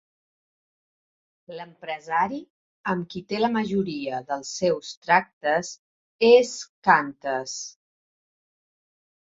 L'empresari amb qui té la majoria dels seus tractes és Qantas.